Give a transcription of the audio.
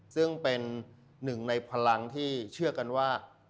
ซึ่งเป็นหนึ่งในพลังที่เชื่อกันว่า